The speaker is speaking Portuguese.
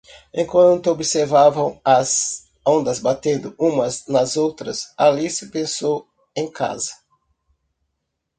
Enquanto observavam as ondas batendo umas nas outras, Alice pensou em casa.